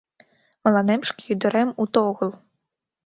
Мыланем шке ӱдырем уто огыл.